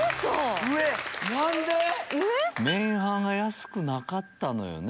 何で⁉麺・飯が安くなかったのよね